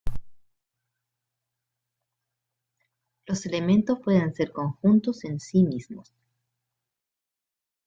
Los elementos pueden ser conjuntos en sí mismos.